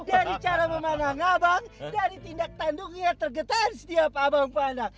dari cara memandang abang dari tindak tandungnya tergetan setiap abang pandang